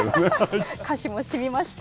歌詞もしみました。